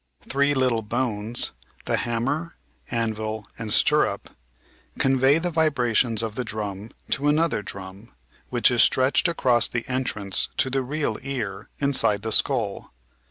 Three little bones (the hammer, anvil, and stirrup) convey the vibrations of the drum to another drum, which is stretched across the entrance to the real ear inside the skull.